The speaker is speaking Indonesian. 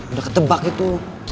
udah ketebak itu